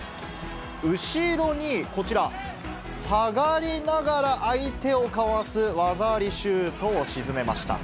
後ろに、こちら下がりながら相手をかわす技ありシュートを沈めました。